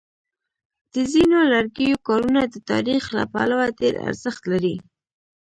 د ځینو لرګیو کارونه د تاریخ له پلوه ډېر ارزښت لري.